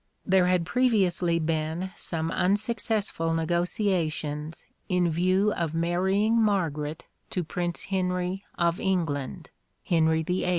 There had previously been some unsuccessful negotiations in view of marrying Margaret to Prince Henry of England (Henry VIII.)